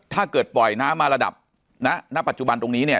ถ้าเกิดปล่อยน้ำมาระดับณปัจจุบันตรงนี้เนี่ย